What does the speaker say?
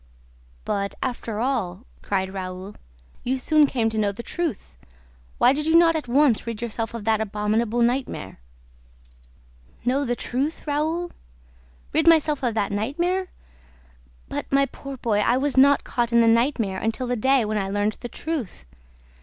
"But, after all," cried Raoul, "you soon came to know the truth! Why did you not at once rid yourself of that abominable nightmare?" "Know the truth, Raoul? Rid myself of that nightmare? But, my poor boy, I was not caught in the nightmare until the day when I learned the truth!